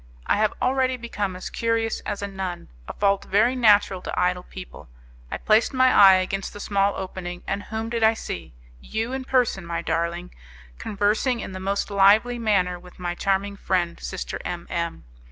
I have already become as curious as a nun a fault very natural to idle people I placed my eye against the small opening, and whom did I see? You in person, my darling, conversing in the most lively manner with my charming friend, Sister M M